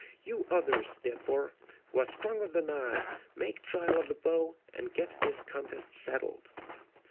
You others, therefore, who are stronger than I, make trial of the bow and get this contest settled."